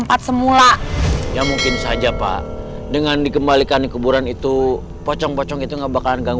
pada ya mungkin saja pak dengan dikembalikan dikecubur dan itu pocong pocong itu enggak bakalan